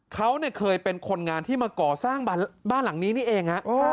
เขาเนี้ยเคยเป็นคนงานที่มาก่อสร้างบ่านหลังนี้เนี้ยเองฮะอ๋อ